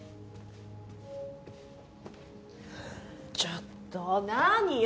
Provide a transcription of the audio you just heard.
ちょっと何よ？